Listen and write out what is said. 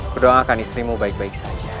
berdoakan istrimu baik baik saja